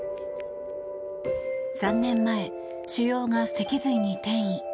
３年前、腫瘍が脊髄に転移。